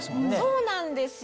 そうなんですよ。